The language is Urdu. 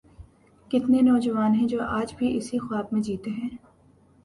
کتنے نوجوان ہیں جو آج بھی اسی خواب میں جیتے ہیں۔